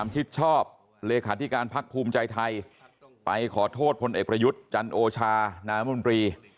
ชิดชอบเลขาธิการพักภูมิใจไทยไปขอโทษพลเอกประยุทธ์จันโอชานามนตรี